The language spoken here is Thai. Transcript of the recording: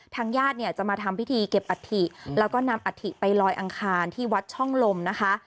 ญาติเนี่ยจะมาทำพิธีเก็บอัฐิแล้วก็นำอัฐิไปลอยอังคารที่วัดช่องลมนะคะ